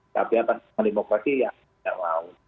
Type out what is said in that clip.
tapi atas kelimpokrasi ya gak mau